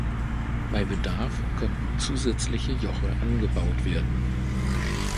Bei Bedarf konnten zusätzliche Joche angebaut werden.